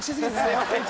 すいません